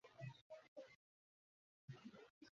ক্রমে ধন-পত্র পুরুষের হাতে গেল, মেয়েরাও পুরুষের হাতে গেল।